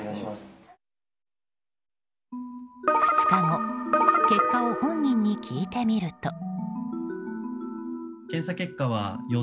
２日後、結果を本人に聞いてみると。